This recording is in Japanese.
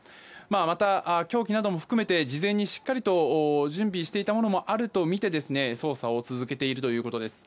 また、凶器なども含めて事前にしっかりと準備していたこともあるとみて、捜査を続けているということです。